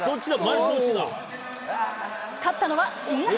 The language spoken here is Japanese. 勝ったのは新濱！